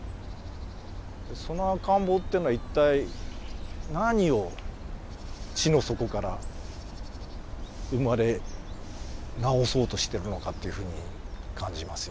その赤ん坊っていうのは一体何を地の底から生まれ直そうとしているのかっていうふうに感じますよね。